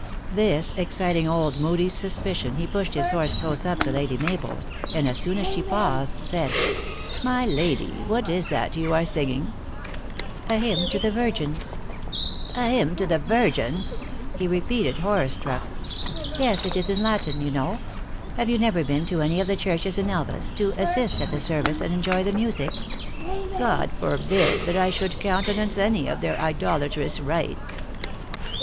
This ex citing old Moodie s suspicion, he pushed his horse close up to Lady Mabel s, and as soon as she paused, said :" My lady, what is that you are singing ?" "A hymn to the Virgin." " A hymn to the Virgin !" he repeated, horror struck. 6 130 THE ACTRESS IN HIGH LIFE. "Yes; it is in Latin, you know. Have you never been to any of the churches in Elvas, to assist at the service and enjoy the music?" u God forbid that I should countenance any of their idolatrous rites."